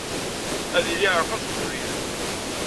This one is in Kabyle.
Ad yili iεreq-as ubrid.